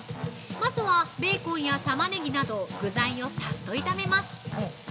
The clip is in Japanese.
まずはベーコンやタマネギなど具材をさっと炒めます。